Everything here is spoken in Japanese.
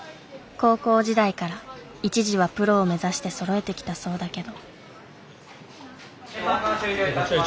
高校時代から一時はプロを目指してそろえてきたそうだけど。